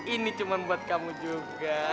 ini cuma buat kamu juga